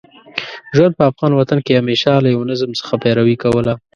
ژوند په افغان وطن کې همېشه له یوه نظم څخه پیروي کوله.